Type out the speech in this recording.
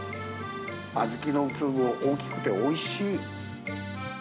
小豆の粒も、大きくておいしい。